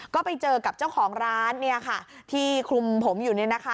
ก็ไปเจอกับเจ้าของร้านเนี่ยค่ะที่คลุมผมอยู่เนี่ยนะคะ